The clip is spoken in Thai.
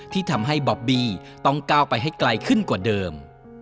ที่ทำให้บอบบีต้องก้าวไปให้ไกลขึ้นกว่าเดิม